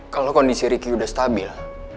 kalau kondisi ricky udah stabil